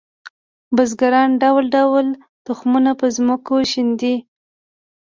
بزګران ډول ډول تخمونه په ځمکو شیندي